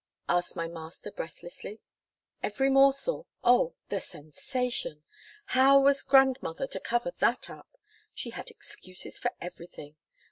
asked my master breathlessly. "Every morsel. Oh! the sensation. How was Grandmother going to cover that up? She had excuses for everything.